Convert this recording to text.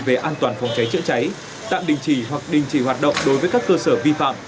về an toàn phòng cháy chữa cháy tạm đình chỉ hoặc đình chỉ hoạt động đối với các cơ sở vi phạm